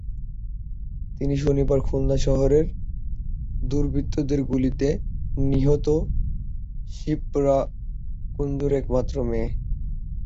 তিনি শনিবার খুলনা শহরে দুর্বৃত্তের গুলিতে নিহত শিপ্রা কুণ্ডুর একমাত্র মেয়ে।